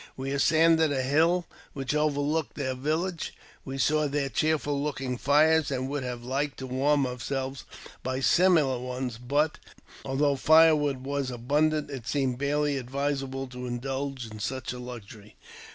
We ascended a hill which overlooked their village. We saw 11 286 AUTOBIOGEAPHY OF their cheerful looking fires, and would have liked to warm our selves by similar ones ; but, although firewood was abundant it seemed barely advisable to indulge in such a luxury.